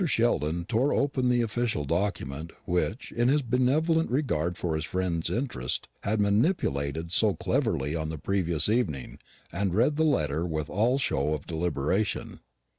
Sheldon tore open that official document, which, in his benevolent regard for his friend's interest, he had manipulated so cleverly on the previous evening, and read the letter with all show of deliberation.